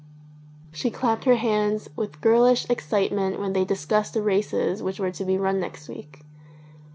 She clapped her hands with girlish excitement when they discussed the races which were to be run next week.